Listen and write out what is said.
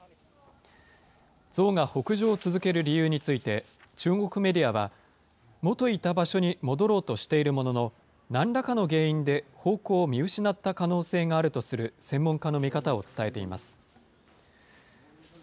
ゾウが北上を続ける理由について、中国メディアは、元いた場所に戻ろうとしているものの、なんらかの原因で方向を見失った可能性があるとする専門家の見方を伝えています。